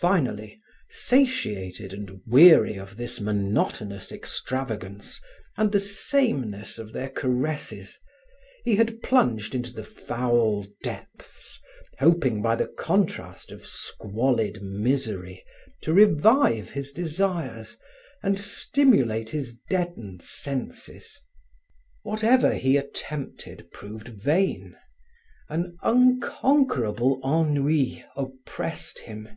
Finally, satiated and weary of this monotonous extravagance and the sameness of their caresses, he had plunged into the foul depths, hoping by the contrast of squalid misery to revive his desires and stimulate his deadened senses. Whatever he attempted proved vain; an unconquerable ennui oppressed him.